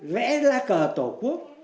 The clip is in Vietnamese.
vẽ ra cờ tổ quốc